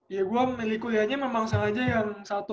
ya gue memilih kuliahnya memang sengaja yang satu